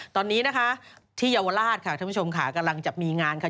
ตอนนี้นะคะที่เยาวราชค่ะท่านผู้ชมค่ะกำลังจะมีงานค่ะ